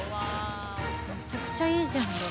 むちゃくちゃいいじゃんこれ。